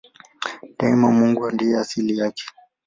Daima Mungu ndiye asili yake.